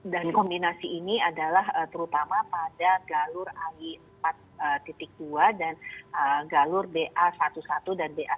dan kombinasi ini adalah terutama pada galur ai empat dua dan galur ba satu dan ba satu